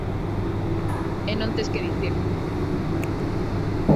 E non tes que dicirlle.